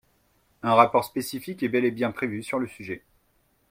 Un rapport spécifique est bel et bien prévu sur le sujet.